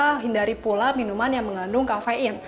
kita harus memilih pula minuman yang mengandung kafein